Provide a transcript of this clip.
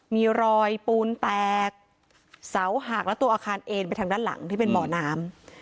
มีรอยปูนแตกเสาหักและตัวอาคารเอ็นไปทางด้านหลังที่เป็นบ่อน้ำ